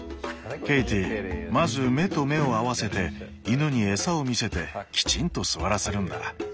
ケイティまず目と目を合わせて犬に餌を見せてきちんと座らせるんだ。